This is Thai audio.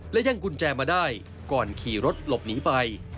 และยั่งกุญแจมาได้ก่อนขี่รถหลบหนีไป